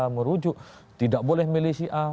merujuk tidak boleh milih si a